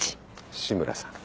志村さん。